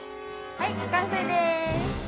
はい完成です！